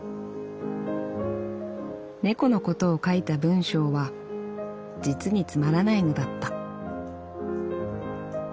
「猫のことを書いた文章は実につまらないのだった」。